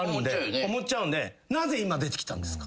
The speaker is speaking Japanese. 思っちゃうんでなぜ今出てきたんですか？